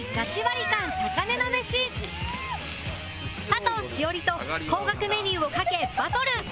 佐藤栞里と高額メニューを懸けバトル